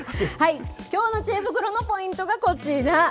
きょうのちえ袋のポイントがこちら。